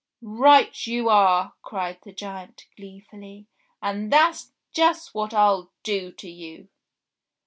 "Right you are!" cried the giant gleefully, "and that's just what I'll do to you